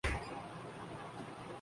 ان میں کشش بھی ہے۔